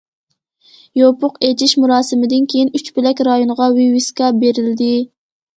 يوپۇق ئېچىش مۇراسىمىدىن كېيىن، ئۈچ بۆلەك رايونغا ۋىۋىسكا بېرىلدى.